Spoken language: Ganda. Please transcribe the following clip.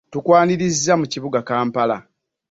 Tukwaniriza mu kibuga Kampala.